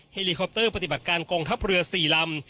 เฮลิคอปเตอร์ปฏิบัติการกองทัพเรือ๔ลำ